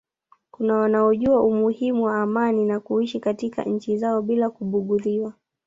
kuna wanaojua umuhimu wa amani na kuishi katika nchi zao bila kubugudhiwa